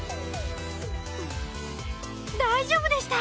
大丈夫でした！